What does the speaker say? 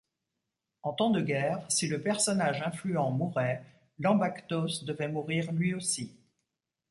En temps de guerre, si le personnage influent mourait, l'ambactos devait mourir lui aussi.